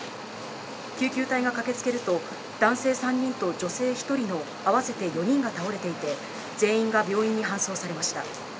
救急隊が駆け付けると男性３人と女性１人の合わせて４人が倒れていて全員が病院に搬送されました。